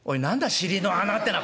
尻の穴ってのは」。